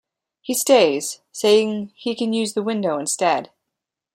He stays, saying he can use the window instead.